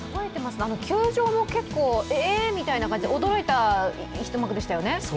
球場も結構、えっみたいな感じで驚いた一幕でしたよね。